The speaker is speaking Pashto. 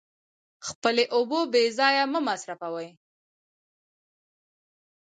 خپلې اوبه بې ځایه مه مصرفوئ.